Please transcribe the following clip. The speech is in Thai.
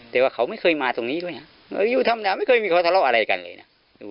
แต่ว่าเขาไม่เคยมาตรงนี้ด้วยนะอยู่ธรรมดาไม่เคยมีเขาทะเลาะอะไรกันเลยนะ